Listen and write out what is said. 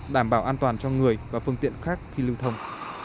đảm bảo an toàn cho người và phương tiện khác khi lưu thông